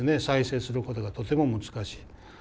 再生することがとても難しい。